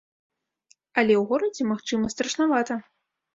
Але ў горадзе магчыма страшнавата.